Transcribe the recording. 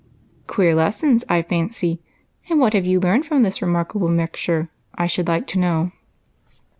" Queer lessons, I fancy ; and what have you learned from this remarkable mixture, I should like to know?